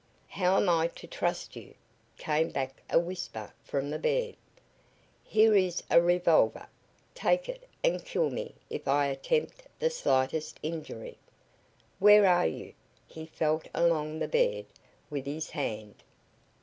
"How am I to trust you?" came back a whisper from the bed. "Here is a revolver! Take it and kill me if I attempt the slightest injury. Where are you?" He felt along the bed with his hand.